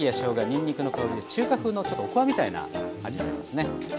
にんにくの香りで中華風のちょっとおこわみたいな味になりますね。